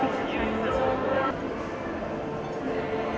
ขอบคุณทุกคนมากครับที่ทุกคนรัก